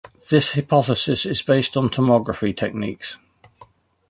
This hypothesis is based on tomography techniques.